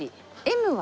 Ｍは？